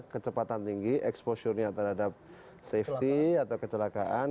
kecepatan tinggi exposure nya terhadap safety atau kecelakaan